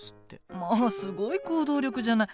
まあすごい行動力じゃない！